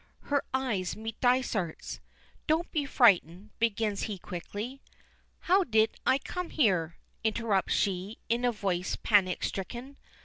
Her eyes meet Dysart's. "Don't be frightened," begins he quickly. "How did I come here?" interrupts she, in a voice panic stricken.